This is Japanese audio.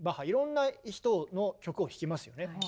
いろんな人の曲を弾きますよね。